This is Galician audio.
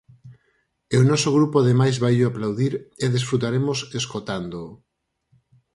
E o noso grupo ademais vaillo aplaudir e desfrutaremos escotándoo.